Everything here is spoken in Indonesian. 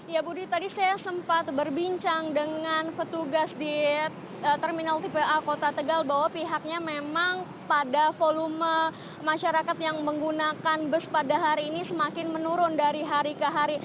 ya budi tadi saya sempat berbincang dengan petugas di terminal tipe a kota tegal bahwa pihaknya memang pada volume masyarakat yang menggunakan bus pada hari ini semakin menurun dari hari ke hari